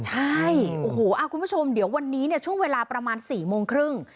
ใช่โอ้โหคุณผู้ชมเดี๋ยววันนี้ช่วงเวลาประมาณ๔โมงครึ่ง